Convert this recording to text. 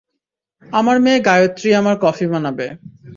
আমার মেয়ে গায়ত্রী আমার কফি বানাবে।